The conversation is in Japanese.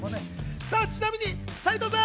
ちなみに斉藤さん！